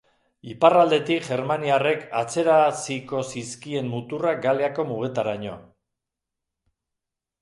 Iparraldetik germaniarrek atzeraziko zizkien muturrak Galiako mugetaraino.